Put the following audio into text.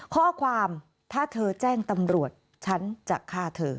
ข้อความถ้าเธอแจ้งตำรวจฉันจะฆ่าเธอ